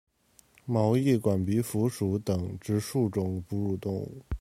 毛翼管鼻蝠属等之数种哺乳动物。